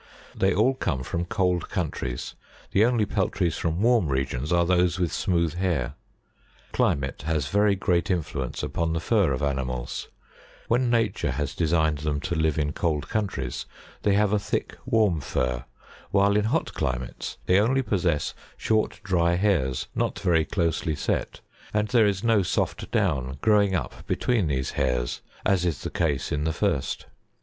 They all come from cold countries ; the only peltries from warm regions are those with smooth hair. Climate has very great influence upon the fur of animals; when nature has designed them to live in cold countries, they have a thick warm fur, while in hot climates they only possess short dry'hairs not very closely set, arid there is no soft down growing up between these hairs, as is the case in the first.